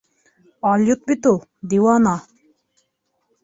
Алйот бит ул, диуана!